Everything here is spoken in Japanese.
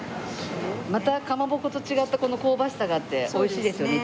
またかまぼこと違ったこの香ばしさがあって美味しいですよね